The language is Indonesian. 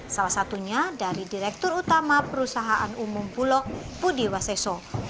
salah satunya dari direktur utama perusahaan umum bulog budi waseso